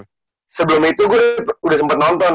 nah sebelum itu gue udah sempet nonton